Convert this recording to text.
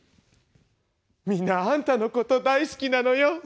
「みんなあんたのこと大好きなのよ！」。